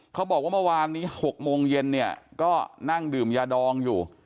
เมื่อวานนี้๖โมงเย็นเนี่ยก็นั่งดื่มยาดองอยู่